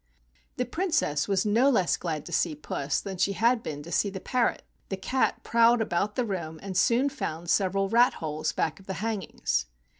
The Princess was no less glad to see Puss than she had been to see the parrot. The cat prowled about the room and soon found several rat holes back of the hangings.